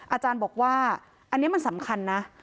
อาจารย์บอกว่าอันนี้มันสำคัญนะ